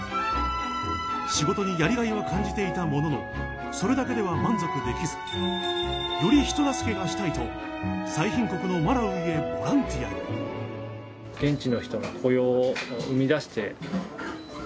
仕事にやりがいは感じていたもののそれだけでは満足できずより人助けがしたいと最貧国のマラウイへボランティアへ。